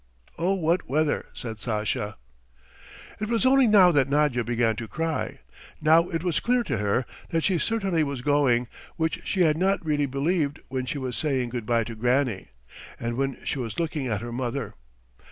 "Oh, what weather!" said Sasha. It was only now that Nadya began to cry. Now it was clear to her that she certainly was going, which she had not really believed when she was saying good bye to Granny, and when she was looking at her mother.